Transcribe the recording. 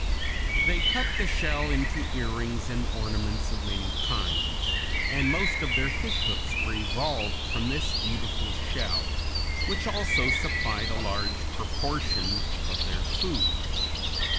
They cut the shell into earrings and ornaments of many kinds, and most of their fishhooks were evolved from this beautiful shell, which also supplied a large proportion of their food.